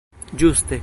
ĝuste